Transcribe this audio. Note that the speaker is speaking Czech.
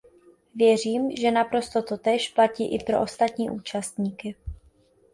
Věřím, že naprosto totéž platí i pro ostatní účastníky.